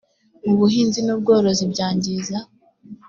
mu buhinzi n ubworozi byangiza